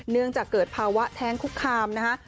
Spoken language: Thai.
เนื่องจากเกิดภาวะแท้งคุกคามนะคะ